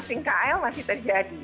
itu masing masing kl masih terjadi